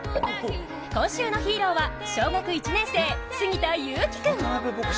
今週のヒーローは、小学１年生杉田勇気君。